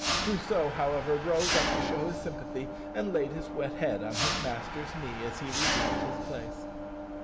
Crusoe, however, rose up to show his sympathy, and laid his wet head on his master's knee as he resumed his place.